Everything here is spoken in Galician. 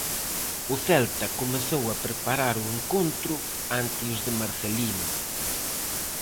O Celta comezou a preparar o encontro ante os de Marcelino.